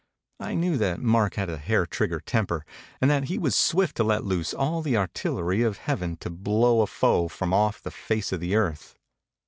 I knew that Mark had a hair trigger temper and that he was swift to let loose all the artil lery of heaven to blow a foe from off the face of the earth.